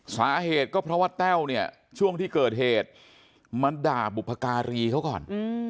สาเหตุก็เพราะว่าแต้วเนี่ยช่วงที่เกิดเหตุมาด่าบุพการีเขาก่อน